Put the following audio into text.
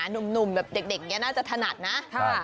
หนุ่มเหมือนเด็กน่าจะถนัดนะค่ะ